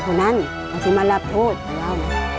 เขามารับทธศจรรย์